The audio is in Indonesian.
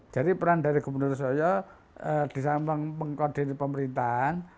jadi peran dari gubernur suryo disambung mengkondisi pemerintahan